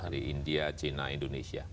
di india china indonesia